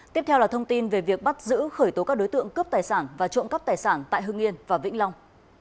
tiếp theo là thông tin về việc bắt giữ khởi tố các đối tượng cướp tài sản và trộm cắp tài sản tại hưng yên và vĩnh long